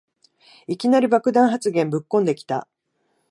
いきなり爆弾発言ぶっこんできた